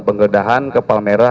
penggedahan ke palmera